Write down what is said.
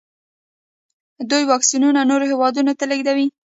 دوی واکسینونه نورو هیوادونو ته لیږي.